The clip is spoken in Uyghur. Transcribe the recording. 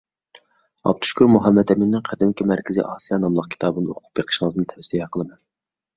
ئابدۇشۈكۈر مۇھەممەتئىمىننىڭ «قەدىمكى مەركىزىي ئاسىيا» ناملىق كىتابىنى ئوقۇپ بېقىشىڭىزنى تەۋسىيە قىلىمەن.